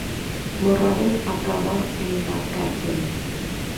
Morales acaba en la cárcel.